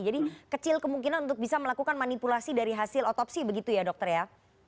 jadi kecil kemungkinan untuk bisa melakukan manipulasi dari hasil otopsi begitu ya dokter ya